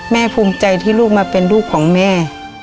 ภูมิใจที่ลูกมาเป็นลูกของแม่